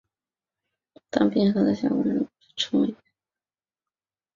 当冰河在峡谷内时则被称为线状谷底沉积。